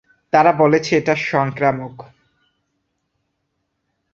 তারা বলেছে এটা সংক্রামক।